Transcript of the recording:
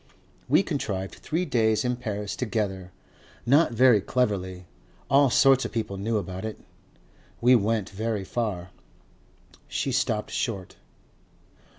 We contrived three days in Paris together not very cleverly. All sorts of people know about it.... We went very far." She stopped short.